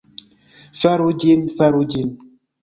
Faru ĝin. Faru ĝin.